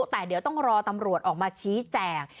แต่เดี๋ยวต้องรอตำรวจออกมาชี้แจง